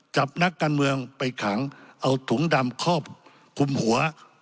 จับนักการเมืองไปขังเอาถุงดำครอบคลุมหัว